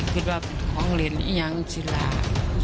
คิดว่าเป็นของเรียนหรือยังศิลา